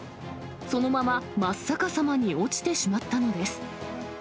そのまま、真っ逆さまに落ちてしまったのです。